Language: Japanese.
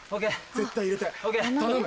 絶対入れて頼む！